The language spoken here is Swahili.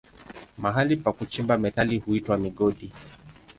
Mahali pa kuchimba metali huitwa migodi.